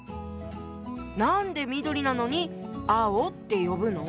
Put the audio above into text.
何で緑なのに青って呼ぶの？